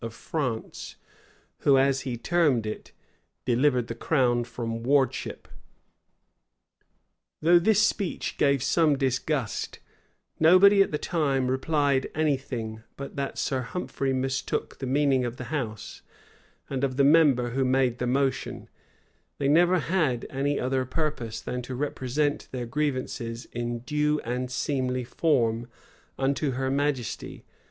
of France, who, as he termed it, delivered the crown from wardship.[*] Though this speech gave some disgust, nobody, at the time, replied any thing, but that Sir Humphrey mistook the meaning of the house, and of the member who made the motion: they never had any other purpose, than to represent their grievances, in due and seemly form, unto her majesty.